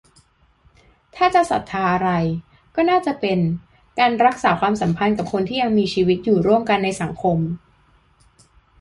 ถ้าจะศรัทธาอะไร ก็น่าจะเป็น การรักษาความสัมพันธ์กับคนที่ยังมีชีวิตอยู่ร่วมกันในสังคม